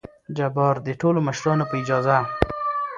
جبار : دې ټولو مشرانو په اجازه!